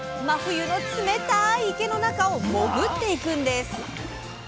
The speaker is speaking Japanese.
真冬の冷たい池の中を潜っていくんです。